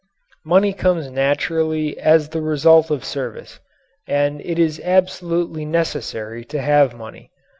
Money comes naturally as the result of service. And it is absolutely necessary to have money.